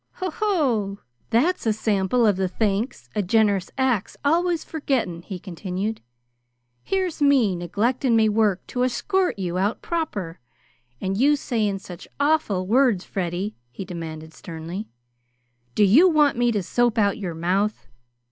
"That's a sample of the thanks a generous act's always for getting," he continued. "Here's me neglictin' me work to eschort you out proper, and you saying such awful words Freddy," he demanded sternly, "do you want me to soap out your mouth?